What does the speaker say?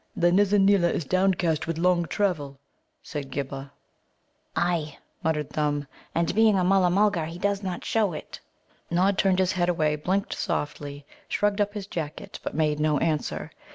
"The Nizza neela is downcast with long travel," said Ghibba. "Ay," muttered Thumb, "and being a Mulla mulgar, he does not show it." Nod turned his head away, blinked softly, shrugged up his jacket, but made no answer.